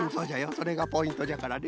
それがポイントじゃからね。